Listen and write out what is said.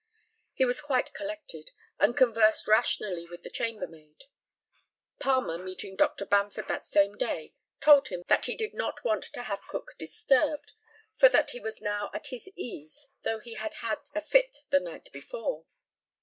He was quite collected, and conversed rationally with the chambermaid. Palmer meeting Dr. Bamford that same day, told him that he did not want to have Cook disturbed, for that he was now at his ease, though he had had a fit the night before.